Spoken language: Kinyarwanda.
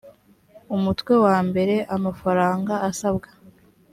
umutwe wa mbere amafaranga asabwa